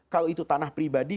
kalau itu tanah pribadi